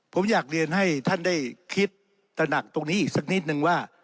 ผมอยากเรียนให้ท่านได้คิดตระหนักตรงนี้อีกสักนิดนึงว่า